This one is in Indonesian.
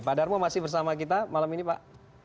pak darmo masih bersama kita malam ini pak